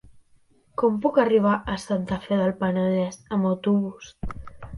Com puc arribar a Santa Fe del Penedès amb autobús?